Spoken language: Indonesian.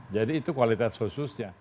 jadi itu kualitas khususnya